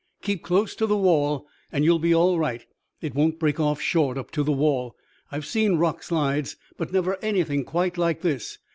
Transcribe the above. "Keep close to the wall and you will be all right. It won't break off short up to the wall. I've seen rock slides, but never anything quite like this.